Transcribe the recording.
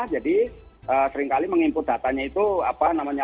jadi seringkali mengimput datanya itu apa namanya